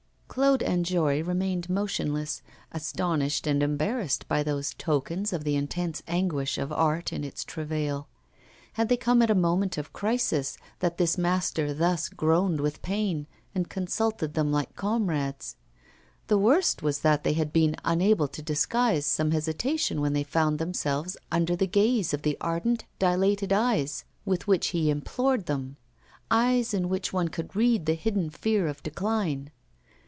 Claude and Jory remained motionless, astonished and embarrassed by those tokens of the intense anguish of art in its travail. Had they come at a moment of crisis, that this master thus groaned with pain, and consulted them like comrades? The worst was that they had been unable to disguise some hesitation when they found themselves under the gaze of the ardent, dilated eyes with which he implored them eyes in which one could read the hidden fear of decline.